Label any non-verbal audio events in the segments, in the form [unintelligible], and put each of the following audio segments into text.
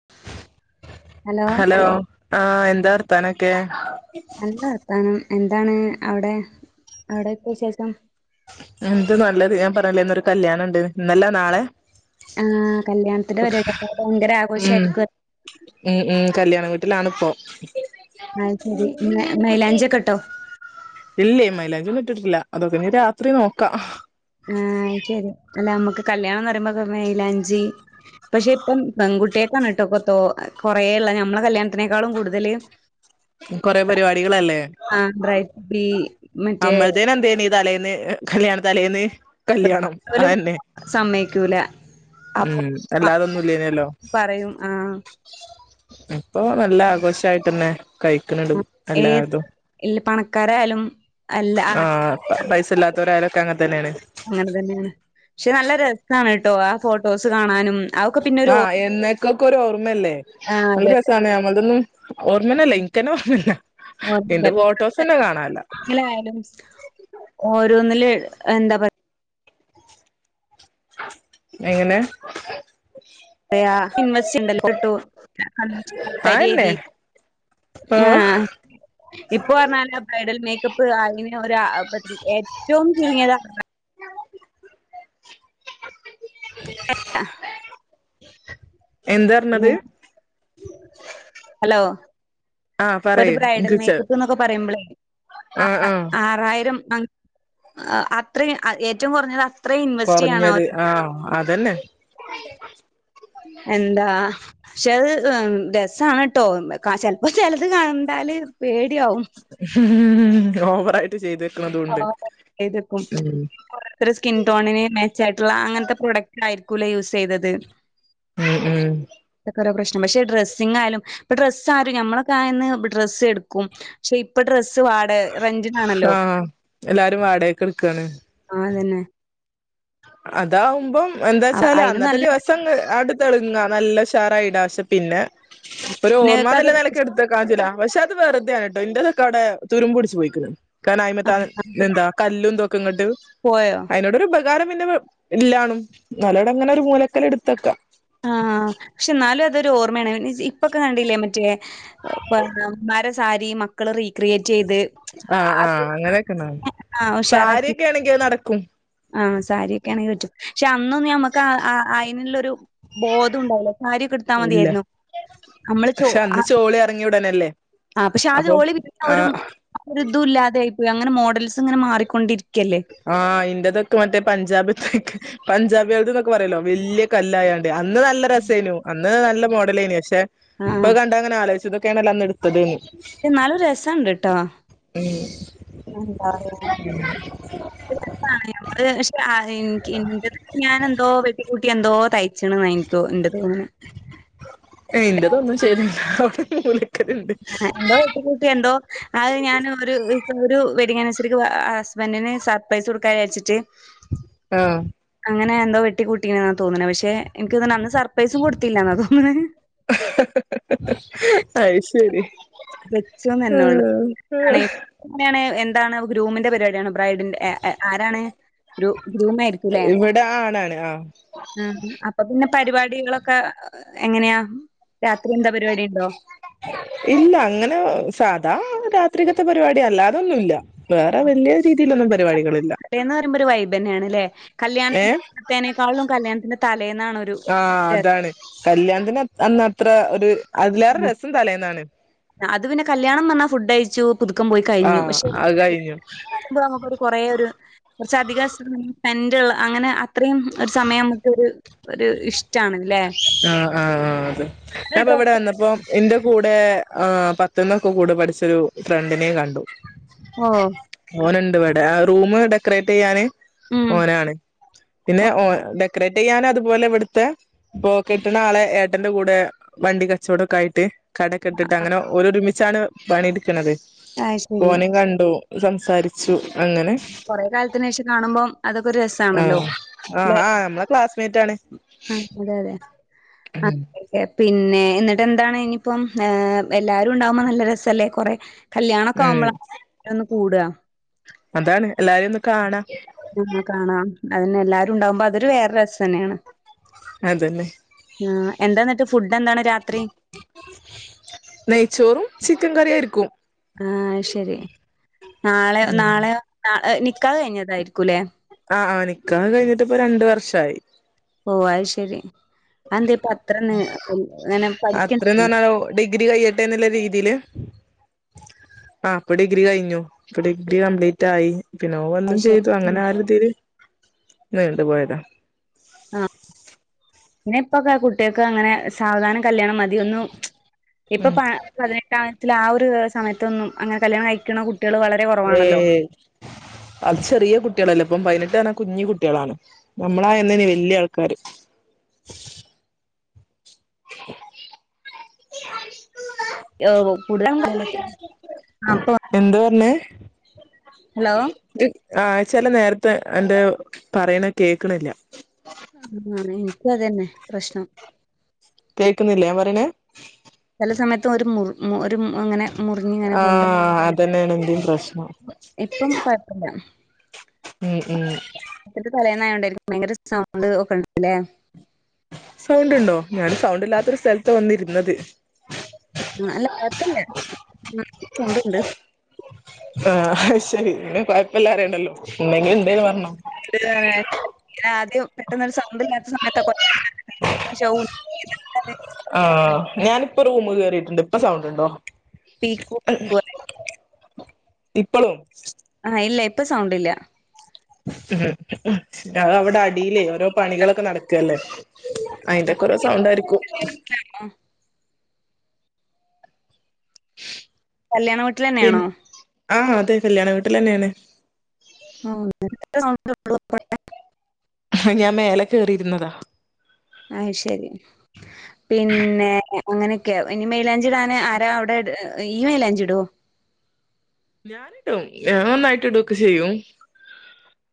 [inaudible] Hello ആഹ എന്താ വാർത്താനൊക്കെ നല്ല എന്താണ് അവിടെ അവിടെക്കെ വിശേഷം എന്ത് നല്ലത് ഞാൻ പറഞ്ഞില്ലേ ഇന്നൊരു കല്യാണമുണ്ട് ഇന്നല്ല നാളെ ആഹ കല്യാണത്തിന്റെ പരിപാടി അപ്പോഭയങ്കര ആഘോഷയിരിക്കുല്ലോ മ് മ് കല്യാണ വീട്ട്ലാണ് പ്പോ അത് ശരി. മെ മൈലാഞ്ചിക്കെട്ടോ? ഇല്ലേ മൈലാഞ്ചി ഒന്നും ഇട്ടിട്ടില്ല അതൊക്കെനി രാത്രി നോക്കാ. ആഹ് ശരി അല്ല നമ്മക്ക് കല്യാണം എന്ന് റിമ്പോ മെയിലാഞ്ചി പക്ഷെ ഇപ്പം പെൺകുട്ട്യക്കാണ് ട്ടൊ തോ കൊറേ ള്ള നമ്മളെ കല്യാണത്തിനേക്കാളും കൂടുതല്. കൊറേ പരിപാടികളല്ലേ? ആഹ് ബ്രറൈറ്റ് ബി മറ്റേ നമ്മൾതേൻ എന്തേനി തലേന്ന് കല്യാണ തലേന്ന് കല്യാണം ഓല് അഹന്നെ സമ്മയ്ക്കൂല അപ്പൊ മ് അല്ലാതൊന്നുംല്ലേനല്ലോ പറയും ആ ഇപ്പോ നല്ല ആഘോഷായിട്ടന്നെ കഴി ക്ക്ണതും എല്ലാതും. ല്ല പണക്കാരായാലും അല്ല ആഹ് ആ പൈസ ഇല്ലാത്തവരായാലൊക്കെ അങ്ങനെ തന്നെണ്. അങ്ങനെ തന്നെയാണ് ക്ഷെ നല്ല രസാണ് ട്ടോ ആ ഫോട്ടോസ് കാണാനും അതൊക്കെ പിന്നൊരു ഓ ആഹ് എന്നക്കൊക്കെ ഒരു ഓർമ്മല്ലേ ആഹ് നല്ല അതെ രസാണ് ഞമ്മൾതൊന്നും ഓർമേനല്ല ഇൻക്കന്നെ ഓർമല്ല ഓർമയില്ല [unintelligible] ആയാലും ഓരോന്ന്ല് എന്താ പ എങ്ങനെ? യാ ഇമ്മച്ചിണ്ടല്ലോ ട്ടോ [unintelligible] കരി ആയെന്നെ എഴുതി ആഹ് ഇപ്പൊ ർഞ്ഞാല് ആഹ് ബ്രൈഡൽ മേക്കപ്പ് [unintelligible] ഒ ഏറ്റവും ചുരുങ്ങിയത ആഹ് എന്താർഞ്ഞത് മ് ഹലോ? ആഹ് പ്പ ഒരു പറയ് ബ്രൈഡൽ ഇൻക്ക്ച്ച മേക്കപ്പ്ന്നൊക്കെ പറയുമ്പളേ ആഹ് ആഹ് ആറായിരം അ ഹാ അത്രേ ഏറ്റവും കൊർഞ്ഞത. കൊർഞ്ഞത് ആഹ് അതെന്നെ. എന്താ ക്ഷെ അത് രസാണ് ട്ടോ കാശൻ ചെൽപ്പോ ചെലത് കണ്ടാല് പേടിയാവും. ഓവറായിട്ട് ചെയ്തെക്ക്ണതുണ്ട് ഓരോരുത്തർ സ്കിൻ ടോണിന് മേചായിട്ട്ള്ള അങ്ങൻത്തെ പ്രോഡക്റ്റ് ആയിരിക്കൂല്ല യൂസയ്തത്. ഉം ഉം തക്കരോ പ്രശ് പക്ഷെ ഡ്രസ്സിങ്ങാലും ഇപ്പൊ ഡ്രസ്സ് ആരും ഞമ്മളൊക്കയന്ന് ഡ്രസ്സ് എട്ക്കും. പക്ഷെ ഇപ്പൊ ഡ്രസ്സ് വാട റെൻ്റ്നാണല്ലോ? ആഹ് എല്ലാരും വാടകയ്ക്കെട്ക്കാണ്. ആഹ് അതന്നെ അതാവുമ്പം എന്താച്ചാല് അയിന് അന്നത്തെ നല്ല ദിവസം അടുത്തെളുങ്ങ നല്ല ഉഷാറായിടാ പക്ഷെ പിന്നെ ഒരു നിങ്ങക്കത് ഓർമ്മന്നല്ല നെലക്ക് എട്ത്ത കാഞ്ചുല പക്ഷെ അത് വെറുതെണ് ട്ടോ ഇന്റതൊക്കെ അഒടെ തുരുമ്പ് ട്ച്ച് പോയിക്ക്ണ്. ക്കാന അയിമത്താ എന്താ കല്ലും തൊക്കെ ഇങ്ങട്ട് പോയോ? ട് ഒരു പകാരം പിന്നെ ഇല്ലാണും ന്നാലും അടെ അങ്ങനെ ഒരു മൂലക്കൽ എടുതെക്കാ. ആഹ് ക്ഷെ ന്നാലും അതൊരു ഓർമേണ്. ഇപ്പക്കെ കണ്ടില്ലേ മറ്റേ മരസാരി മക്കൾ റീ ക്രിയേറ്റെയ്ത് ആഹ് അത് ആഹ് ആഹ് ഉഷാറാക്കി. കേണെങ്കിയേ നടക്കും ആഹ് സാരിയൊക്കെ ആണെങ്കി പറ്റും. ക്ഷെ അന്നൊന്നും ഞമ്മക്ക് ആഹ് ആഹ് അയ്നുള്ളൊരു ബോധം ഉണ്ടായില്ല സാരിക്കെ ട്ത്താ ഇല്ല മതിയായിരുന്നു. നമ്മള് ചോ പക്ഷെ അന്ന് ചോളി എർങ്ങി ഉടനെ ആഹ് പക്ഷെ ആഹ് ചോളി ഒരു മോ ആഹ് ഒരു തും ഇല്ലാതെ ആയി പോയി അങ്ങനെ മോഡൽസ്ങ്ങനെ മാറിക്കൊണ്ടിരിക്കല്ലേ ആഹ് ഇന്റതൊക്കെ മറ്റേ പഞ്ചാബിത്ത്യ്ക്ക് പഞ്ചാബിയേൾത് പറയല്ലോ വെല്യ കല്ലായണ്ട് അന്ന് നല്ല രസേനു അന്ന് നല്ല മോഡലേയ്നി പക്ഷെ ഇപ്പ ആഹ് കണ്ടാങ്ങനെ ആലോയിചും ഇതൊക്കെയാണല്ലോ അന്ന് ഇ ത്തത്ന്ന് എന്നാലും രസണ്ട് ട്ടോ ഉം എന്താ [unintelligible] [unintelligible] ഞാൻ എന്തോ വെട്ടിക്കൂട്ടി എന്തോ തയ്ച്ണ്ന്നാ ഇൻ തോ ഇന്റെതോന്ന്ണ് ഏയ് ഇന്റെതൊന്നും ചെയ്തില്ല [unintelligible] [unintelligible] ട്ടി കൂട്ടി എന്തോ അത് ഞാൻ ഒരു ഇപ്പൊ ഒരു വെഡിങ് അണിവേഴ്സറിക്ക് ആസ്ബന്റിന് സർ പൈസ കൊടുക്കാ വിചാര്ച്ചിട്ട് ആഹ് അങ്ങനെ എന്തോ വെട്ടി കൂട്ടീന്നാ തോന്നേണെ പഷേ എൻക്കോന്ന്ണ് സർപ്രൈസും കൊടുത്തില്ലന്നാ തോന്നണേ അയ് ശെരി വെച്ചുന്നെന്നെ ഒള്ളു. ആണെ [unintelligible] എങ്ങനെയാണ് എന്താണ് ഗ്രൂമിന്റെ പരിപാടിയാണ് ബ്രൈഡിന്റെ എ ഏഹ് ആരാണ് ഗ്രു ഗ്രൂമേയിരികുല്ലേ? ഇവിടെ ആണാണ് ആഹ് ആഹ് അപ്പൊ പിന്നെ പരിപാടികളൊക്കെ എങ്ങനെയാ രാത്രി എന്താ പരിപാടിണ്ടോ? ഇല്ല അങ്ങനെ സാധാ രാത്രികത്തെ പരിപാടി അല്ലാതൊന്നുല്ല. വേറെ വെല്യ രീതിയിലൊന്നും പരിപാടികളില്ല. ടേ ന്നർയുമ്പോ ഒരു വൈബന്യാണ് ല്ലെ കല്യാണത്തി ഏഹ് ആഹ് രസം. അതാണ് കല്യാണത്തിന് അന്നത്ര ഒര് അതിലേറെ രസം തലേന്നാണ്. അത് പിന്നെ കല്യാണം പർഞ ഫുഡ് കയിച്ചു പുതുക്കം പോയി കഴിഞ്ഞു ആഹ് പക്ഷെ അത് കഴിഞ്ഞു പോ കൊറേ ഒരു കൊർച്ച അധിക സ്പെന്റുള്ള അങ്ങനെ അ അത്രിമം ഒരു സമയം നമുക് ഒരു ഇഷ് ആഹ് ആഹ് ആഹ് അതെ ഞാൻപ്പ ഇവിടെ വന്നപ്പോ എന്റെ കൂടെ പത്ത്ന്നൊക്കെ കൂടെ പഠിച്ചൊരു ഫ്രണ്ടിനേ കണ്ടു ഓഹ് ഓന്ണ്ട് വടെ ആ റൂമ് ഡെക്കറേറ്റെയ്യാന്. ഉം ഓനാണ് പിന്നെ ഓ ഡെക്കറേറ്റെയ്യാന് അതുപോലെ ഇവ്ട്ത്തെ പോക്കറ്റ്ന് ആളെ ഏട്ടന്റെ കൂടെ വണ്ടി കച്ചോടക്കെ ആയിട്ട് കടക്കെ ഇട്ടിട്ട് അങ്ങനെ ഓല് ഒരുമിച്ചാണ് പണിട്ക്ണത് അത് ശരി ഓനിം കണ്ടു സംസാരിച്ചു അങ്ങനെ കൊറേ കാലത്തിനേഷം കാണുമ്പം അതൊക്കെ രസാണല്ലോ ആഹ് ആഹ് ലേ ആഹ് നമ്മളെ ക്ലാസ്മേറ്റ് അഹ് അതെ അതെ ഉം പിന്നെ എന്നിട്ട് എന്താണ് ഇനിയിപ്പം ഏഹ് എല്ലാരും ഉണ്ടാവുമ്പോ നല്ല രസല്ലേ കൊറെ കല്യാണൊക്കെ ഉം ആവുമ്പള ഒന്ന് കൂട അതാണ് എല്ലാരെയും ഒന്ന് കാണാ. കാണാ അതനെ എല്ലാരും ഇണ്ടാവുമ്പോ അതൊരു വേറെ രസം ന്നെയാണ്. അതന്നെ ആഹ് എന്താന്നിട്ട് ഫുഡ് എന്താണ് രാത്രി? നെയ്ച്ചോറും ചിക്കൻ കറിയാരുക്കും. ആഹ് ശരി നാളെ നാളെയൊ നാള നിക്കാഹ് കഴിഞ്ഞതാരിക്കൂല്ല? ആഹ് ആഹ് നിക്കാഹ് കഴിഞ്ഞിട്ട് ഇപ്പ രണ്ട് വർഷായി ഓഹ് അത് ശരി. ആന്തേ ഇപ്പ അത്രെന്ന അങ്ങനെ അത്രന്ന് പഠിക്കണ്ടാന്നൊ പറഞ്ഞാലോ ഡിഗ്രി കയ്യട്ടെന്ന്ല്ല രീതിയില് ആഹ് ഇപ്പൊ ഡിഗ്രി കഴിഞ്ഞു ഇപ്പൊ ഡിഗ്രി കംപ്ലീറ്റ് ആയി. പിന്ന അത് ഓഒന്നും ശരി ചെയ്തു അങ്ങനെ ആ ഒരുതില് നീണ്ടുപോയതാ ആഹ് പിന്നെപ്പൊക്കെ കുട്ടികക്ക് അങ്ങനെ സാവധാനം കല്യാണം മതിയൊന്നു ഇപ്പൊ ഉം പ പതിനെട്ടാത്തിൽ ആ ഒരു സമയത്തൊന്നും അങ്ങനെ കല്യാണം കഴിക്കണ കുട്ടികൾ വള ഏഹ് അത് ചെറിയ കുട്ടികളല്ലേപ്പം പതിനെട്ടാറഞ്ഞ കുഞ്ഞു കുട്ടികളാണ് നമ്മളായന്നേനെ വല്യ ആൾക്കാര് കൂടുതല അപ്പൊ എന്താ പറഞ്ഞേ ഹലോ ദ് ആഹ് ചെല നേരത്തെ എന്റെ പറയണ കേക്കണില്ല ആഹ് എനിക്കു അതന്നെ പ്രശ്നം കേൾക്കുന്നില്ലെ ഞാപറയണെ ചില സമയത്തു ഒരു മു ഒരു അങ്ങനെ മുറിഞ്ഞ് ഇങ്ങനെ പോകണ്ട് ആഹ് അതന്നെനാണ് എന്റേം പ്രശ്നം ഇപ്പം കൊയ്പ്പില്ല മ് ഉം [unintelligible] തലേന്നായോണ്ടെര്ക്കും ഭയങ്കര സൗണ്ട് ഒക്കെണ്ടല്ലേ സൗണ്ടുണ്ടോ ഞാന് സൗണ്ട് ഇല്ലാത്തൊരു സ്ഥലത്ത് വന്നിരുന്നത് അല്ല കൊയ്പ്പില്ല [inaudible] സൗണ്ടിണ്ട് ആഹ് അയ്ശരി ഇങ്ങകൊയ്പ്പില്ല അറിയണ്ടല്ലോ ഇണ്ടങ്കി ഇണ്ട്ന്ന് പറഞ്ഞോ ഇണ്ടേ ആദ്യം പെട്ടെന്നൊരു സൗണ്ടില്ലാത്ത സമയത്തൊക്ക [inaudible] [unintelligible] ആഹ് ഞാനിപ്പ റൂമ്കേറിട്ട്ണ്ട് ഇപ്പ സൗണ്ടിണ്ടോ പീക്കൂ പീക്കു പറയണ്ട് ഇപ്പളു ആഹ് ഇല്ല ഇപ്പൊ സൗണ്ടില്ല ഉം അതവടെ അടീലെ ഓരോ പണികളൊക്കെ നടക്കുവല്ലേ അയിന്റെക്കൊറ സൗണ്ടാരിക്കും പിൻ കല്യാണവീട്ടിലന്നെയാണോ ആഹ് അതെ കല്യാണ വീട്ടിലന്നെയാണ് ഓഹ് നേരത്തെ സൗണ്ട് ഇപ്പളു [inaudible] ഞാൻ മേലെ കേറിരുന്നതാ അയ്ശരി പിന്നെ അങ്ങനൊക്കെയ ഇനി മെയിലാഞ്ചിടാന് ആരാ അവിടെ ഇട് ഈയ് മെയ്ലാഞ്ചിടോ ഞാനിടും ഞാൻനന്നായിട്ട് ഇടുക്കെ ചെയ്യും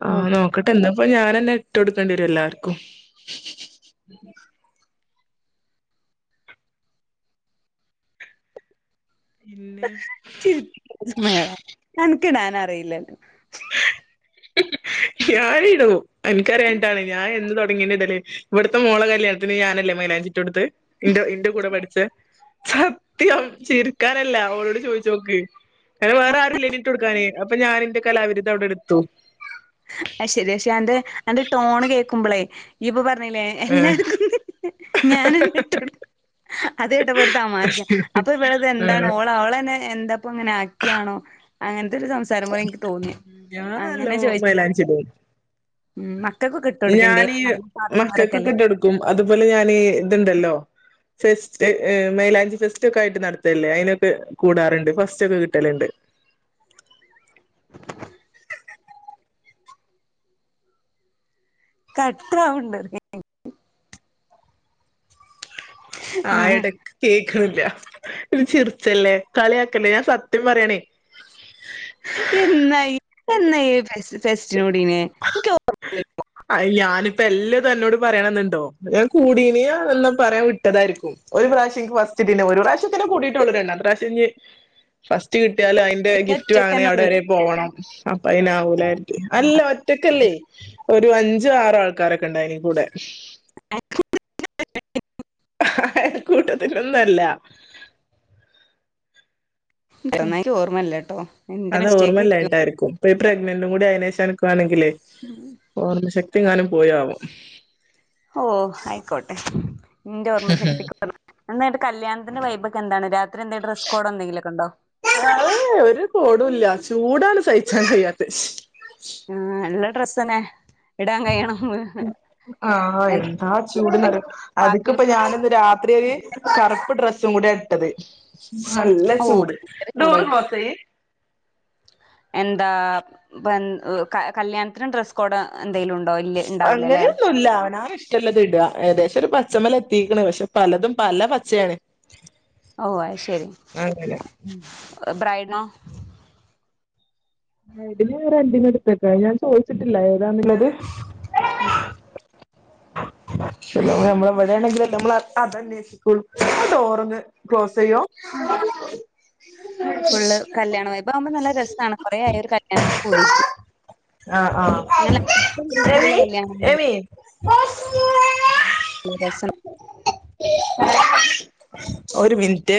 ആഹ് നോ ക്കട്ടെ എന്നിപ്പൊ ഞാനന്നെ ഇട്ട് കൊടുക്കണ്ടിരും എല്ലാർക്കും പിന്നെ ചിര് എനക്കിടാൻ അറിയില്ലേനു ഞാനിടു എനിക്കറിയാഞ്ഞിട്ടാണ് ഞാൻ എന്ന് തൊടങ്ങിയണ് ഇടല് ഇവിടുത്തെ മോള കല്യാണത്തിന് ഞാനല്ലെ മൈലാഞ്ചി ഇട്ടൊടുത്തെ ഇന്റെ ഇന്റെ കൂടെ പഠിച്ച സത്യം ചിരുക്കാനല്ല ഓരോട് ചോയിച്ചോക്ക് കാരം വേറെ ആരുല്ലേനി ഇട്ടൊടുക്കാനേ അപ്പൊ ഞാനെന്റെ കലാവിരുദ് അവിടെടുത്തു അയ്ശരി ക്ഷെ അന്റെ അന്റെ ടോൺ കേക്കുമ്പളെ ഈയിപ്പൊ പറഞ്ഞില്ലേ ഏഹ് എല്ലാർക്കും ഞാനന്നെ ഇട്ടൊടു അത് കേട്ടപ്പോ ഒരു തമാശ അപ്പൊ ഇവിടെത് എന്താണ് ഏഹ് ഓള അവളന്നെ എന്താപ്പ അങ്ങനെ ആക്കിയാണോ അങ്ങനത്തെ സം തരമുറ എനിക്ക് തോന്നി ഞാൻ അങ്ങനെ നല്ലോ ചോദിച്ചതാ മൈലാഞ്ചിടും ഉം മക്കൾക്കൊക്കെ ഇട്ട് കൊടുക്കണ്ടേ ഞാനീ നല്ല മക്കൾക്ക് പാത്തുമ്മാരൊക്കെല്ലേ കെട്ടെടുക്കും അതുപോലെ ഞാൻ ഇതുണ്ടല്ലോ ഫെസ്റ്റ് മൈലാഞ്ചി ഫെസ്റ്റ് ഒക്കെ ആയിട്ട് നടത്തല്ലേ അതിനൊക്കെ കൂടാറുണ്ട് ഫസ്റ്റ് ഒക്കെ കിട്ടലുണ്ട് [inaudible] കട്ട ആവ്ണ്ട് അഹ് ആഹ് യടക്ക് കേക്ക്ണ്ല്ല ഇജ്ജ് ചിറിച്ചല്ലേ കളിയാക്കല്ലേ ഞാൻ സത്യം പറയാണേ എന്നായി എന്നായി ഫെസ്റ്റ് ഫെസ്റ്റിന് കൂഠിന്യ അയി ഞാനിപ്പ എല്ലാം അന്നോട് പറയണെന്നുണ്ടോ ഞാൻ കൂടീന എന്നാ പറയാൻ വിട്ടതായിരിക്കും ഒരു പ്രാവശ്യം എനിക്ക് ഫസ്റ്റ് കിട്ടീട്ടുണ്ട് ഒരു പ്രാവശ്യത്തിനെ കൂടിയിട്ടുള്ളരുണ്ട് അടുത്ത പ്രാവശ്യം ഇനി ഫസ്റ്റ് കിട്ടിയാൽ അതിന് ഗിഫ്റ്റ് വാങ്ങണെ ഒറ്റക്കന്നെ അവിടെ ഉള്ളു വരെ പോവണം അപ്പ അയിനാവൂലാര്തി അല്ല ഒറ്റക്കല്ലേ ഒരു അഞ്ചും ആറും ആൾക്കാരൊക്കെ ഉണ്ടായിനി കൂടെ അയല് കൂട്ടത്തിനൊന്നു അല്ല ന്ന ഇൻക്ക് ഓർമ്മയില്ല ട്ടോ അത് ഓർമയില്ലായിട്ടായിരിക്കും ഇപ്പ ഈ പ്രഗ്നന്റും കൂടി ആയനെശം അനക്ക്വാണെങ്കിലെ ഉം ഓർമ്മ ശക്തി എങ്ങാനും പോയാവൊ ഓഹ് ആയിക്കോട്ടെ എന്റെ ഓർമ്മ ശക്തി എന്തായിത് കല്യാണത്തിന്റെ വൈബോക്കേ എന്താണ് രാത്രി എന്തേ ഡ്രസ്സ്കോഡ് എന്തങ്കിലൊക്കെ ഉണ്ടോ അഹ് ഓര് കോടൂല്ല ചൂടാണ് സഹിച്ചാൻ കഴിയാത്ത ആഹ് ഇല്ല ഡ്രസ്സന്നെ ഇടാൻ കഴിയണം ആഹ് എന്താ ചൂട്ന്നറിയൊ പാർട്ടി അത്ക്ക്പ്പൊ ഞാനിന്ന് രാത്രിയ കറുപ്പ് ഡ്രെസ്സും കൂടിയ ഇട്ടത് നല്ല ഓ ചൂട് ഭയങ്കര ഡോറ് ചൂടായിരിക്കും ക്ലോസ് ചെയ്യ് എന്താ തൻ കല്യാണത്തിനും ഡ്രസ്സ് കോഡ് എന്തേങ്കിലും ഉണ്ടോ ഇല്ല ഇണ്ടാവുല ലേ ല്ലാ അവന്മാർ ഇഷ് ഷ്ടല്ലത് ഇട ഏകദേശം ഒരു പച്ചമല് എത്തിക്ക്ണ് പക്ഷെ പലതും പല പച്ചയാണ് ഓ അത് ശരി അങ്ങനെ ബ്രൈഡ്നോ ബ്രയ്ടിൻ റെൻ്റിൻ ഇട്ത്തക്ക ഞാൻ ചോദിച്ചിട്ടില്ല ഏതാണുള്ളത് ഉം നമ്മള് ഇവിടെ അല്ലേഅതന്നെഷി സ്കൂൾ ആ ഡോറൊന്ന് ക്ലോസ് ചെയ്യോ ഫുള്ള് കല്യാണവൈബ് ആവുമ്പോ നല്ല രസാണ് കൊറെ ആയി ഒരു കല്യാണത്തിൽ കൂടിട്ട് ആഹ് ആഹ് എമി കല്യാണം എമി ഈരസം ഒരു മിനിറ്റ്